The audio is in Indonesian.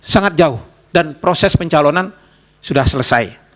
sangat jauh dan proses pencalonan sudah selesai